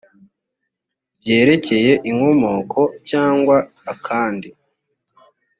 byerekeye inkomoko cyangwa akandi